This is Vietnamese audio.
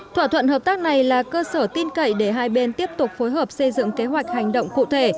thỏa thuận hợp tác này là cơ sở tin cậy để hai bên tiếp tục phối hợp xây dựng kế hoạch hành động cụ thể